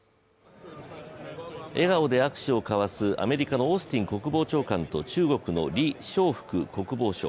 笑顔で握手を交わすアメリカのオースティン国防長官と中国の李尚福国防相。